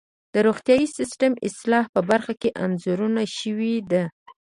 د روغتیايي سیستم اصلاح په برخه کې انځور شوې ده.